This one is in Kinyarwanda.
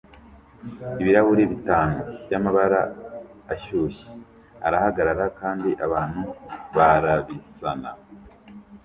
Ibirahuri bitanu byamabara ashyushye arahagarara kandi abantu barabisana